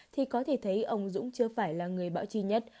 thì có thể thấy ông dũng chưa phải là người bão chi nhất